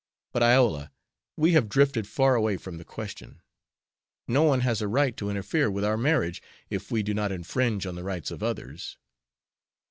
But, Iola, we have drifted far away from the question. No one has a right to interfere with our marriage if we do not infringe on the rights of others."